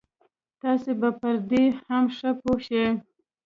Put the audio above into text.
تاسې به پر دې هم ښه پوه شئ.